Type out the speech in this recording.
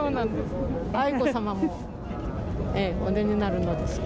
愛子さまもお出になるので。